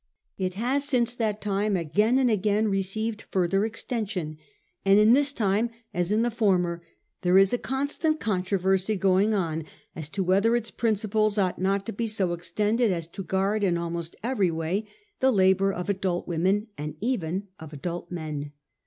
It has since that time again and again received further extension ; and in this time, as in the former, there is a constant controversy going on as to whether its principles ought not to be so extended as to guard in almost every way the labour of adult women, and even of adult men.